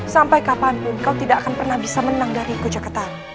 sampai kapanpun kau tidak akan pernah bisa menang dari aku jakarta ruh